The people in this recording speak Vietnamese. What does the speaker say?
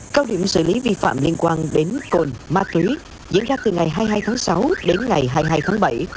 cao điểm xử lý vi phạm liên quan đến cồn ma túy diễn ra từ ngày hai mươi hai tháng sáu đến ngày hai mươi hai tháng bảy